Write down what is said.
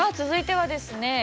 続いてはですね